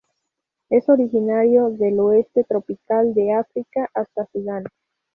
Es originario del oeste tropical de África hasta Sudán.